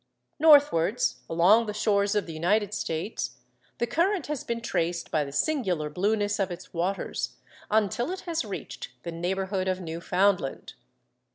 Northwards, along the shores of the United States, the current has been traced by the singular blueness of its waters until it has reached the neighbourhood of Newfoundland.